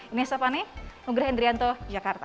ini yang saya pahami nugraha hendrianto jakarta